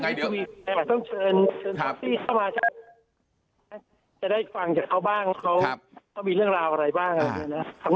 จะได้ฟังจากเขาบ้างเขามีเรื่องราวอะไรบ้าง